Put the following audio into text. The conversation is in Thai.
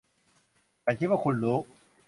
ฉันคิดว่าคุณรู้